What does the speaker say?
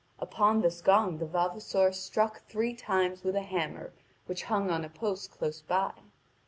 Upon this gong the vavasor struck three times with a hammer which hung on a post close by.